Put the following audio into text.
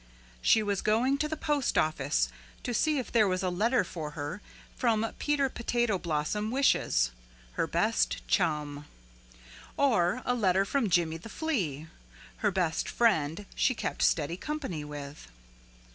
She was going to the postoffice to see if there was a letter for her from Peter Potato Blossom Wishes, her best chum, or a letter from Jimmy the Flea, her best friend she kept steady company with.